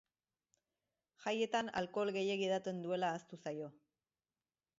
Jaietan alkohol gehiegi edaten duela ahaztu zaio.